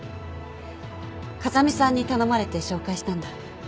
風見さんに頼まれて紹介したんだ。